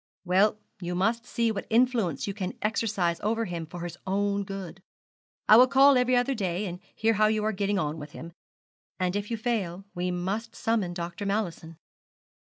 'Well, you must see what influence you can exercise over him for his own good. I will call every other day, and hear how you are getting on with him; and if you fail, we must summon Dr. Mallison.'